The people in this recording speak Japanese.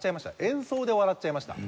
演奏で笑っちゃいました。